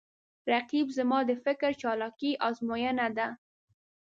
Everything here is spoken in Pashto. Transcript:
رقیب زما د فکر چالاکي آزموینه ده